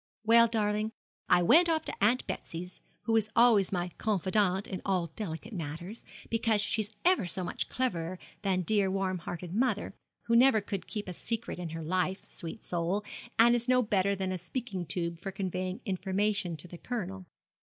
'Well, darling, I went off to Aunt Betsy, who is always my confidante in all delicate matters, because she's ever so much cleverer than dear warm hearted mother, who never could keep a secret in her life, sweet soul, and is no better than a speaking tube for conveying information to the Colonel.